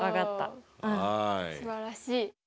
おおすばらしい。